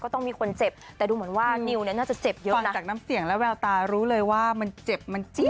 ตอบแทนใครแล้วกันครับ